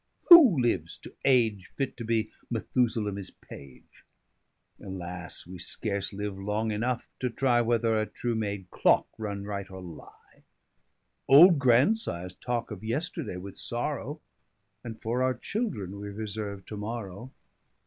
who lives to age, Fit to be made Methusalem his page? Alas, we scarce live long enough to try Whether a true made clocke run right, or lie. 130 Old Grandsires talke of yesterday with sorrow, And for our children wee reserve to morrow.